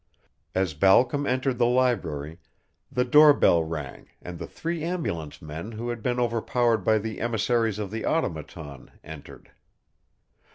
As Balcom entered the library the door bell rang and the three ambulance men who had been overpowered by the emissaries of the Automaton entered.